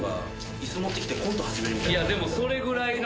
でもそれぐらいの。